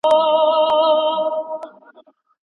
افغان زعفران څنګه کولای سي د امریکا لویو بازارونو ته ورسېږي؟